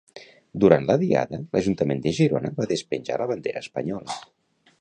Durant la diada, l'Ajuntament de Girona va despenjar la bandera espanyola.